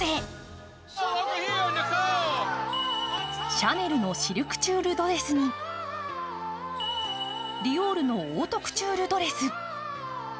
シャネルのシルクチュールドレスにディオールのオートクチュールドレス。